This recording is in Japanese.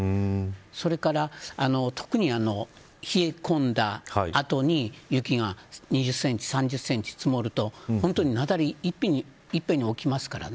それから、特に冷え込んだ後に雪が２０センチ、３０センチ積もると本当に雪崩がいっぺんに起きます。